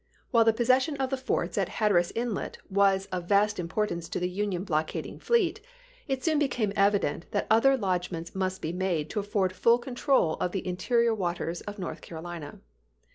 While the possession of the forts at Hatteras Inlet was of vast importance to the Union blockading fleet, it soon became e\ddent that other lodgments must be made to afford full control of the interior waters of North Carolina.